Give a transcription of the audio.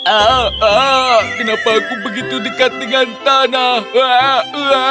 aa kenapa aku begitu dekat dengan tanah